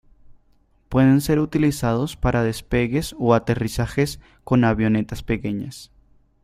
Pueden ser utilizados para despegues o aterrizajes con avionetas pequeñas.